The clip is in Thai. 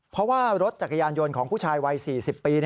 เพราะว่ารถจักรยานยนต์ของผู้ชายวัย๔๐ปี